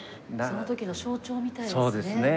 その時の象徴みたいですね。